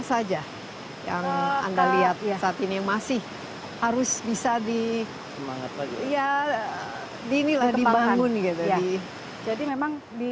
saja yang anda lihat ya saat ini masih harus bisa di by ya dinilah dibangun jadi jadi memang di